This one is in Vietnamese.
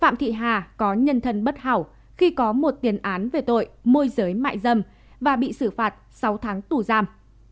phạm thị hà có nhân thân bất hảo khi có một tiền án về tội môi giới mại dâm và bị xử phạt sáu tháng tù giam